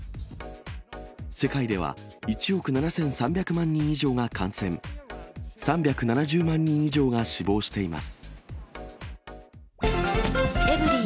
世界では１億７３００万人以上が感染、３７０万人以上が死亡しています。